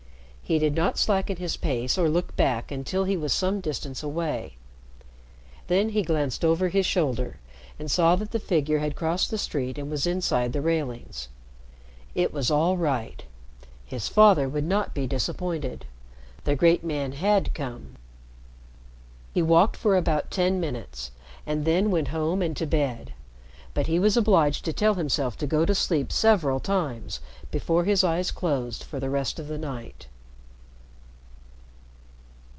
He did not slacken his pace or look back until he was some distance away. Then he glanced over his shoulder, and saw that the figure had crossed the street and was inside the railings. It was all right. His father would not be disappointed. The great man had come. He walked for about ten minutes, and then went home and to bed. But he was obliged to tell himself to go to sleep several times before his eyes closed for the rest of the night.